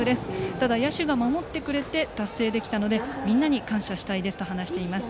ただ野手が守ってくれて達成できたのでみんなに感謝したいですと話しています。